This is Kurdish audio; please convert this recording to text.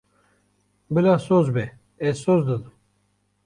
Bila soz be, ez soz didim.